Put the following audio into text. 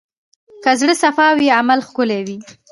که زړه صفا وي، عمل ښکلی وي.